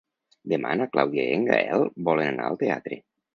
Demà na Clàudia i en Gaël volen anar al teatre.